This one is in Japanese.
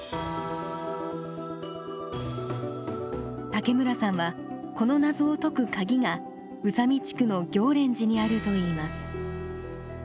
武村さんはこの謎を解く鍵が宇佐美地区の行蓮寺にあるといいます。